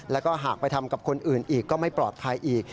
แล้วก็หากไปทำกับคนอื่นอีกก็ไม่ปลอดภัยอีก